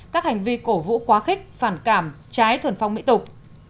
các hành vi cổ vũ quá khích phản cảm trái thuần phong mỹ tục